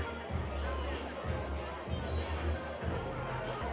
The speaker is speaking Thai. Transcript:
ไอศักดิ์วราคา